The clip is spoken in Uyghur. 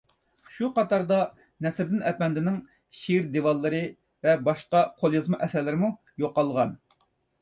شۇ قاتاردا نەسرىدىن ئەپەندىنىڭ شېئىر دىۋانلىرى ۋە باشقا قوليازما ئەسەرلىرىمۇ يوقالغان.